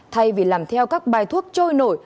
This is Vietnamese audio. thay vì làm theo các bài thuốc trôi nổi